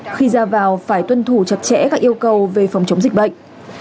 khi ra vào phải tuân thủ chặt chẽ các yêu cầu về phòng chống dịch bệnh